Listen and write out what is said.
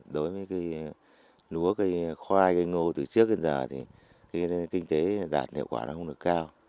đối với lúa cây khoai cây ngô từ trước đến giờ kinh tế giảm hiệu quả không được cao